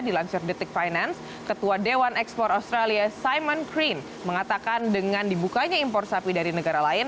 dilansir detik finance ketua dewan ekspor australia simon cream mengatakan dengan dibukanya impor sapi dari negara lain